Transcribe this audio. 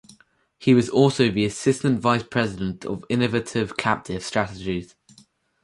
He was also the assistant vice president of Innovative Captive Strategies.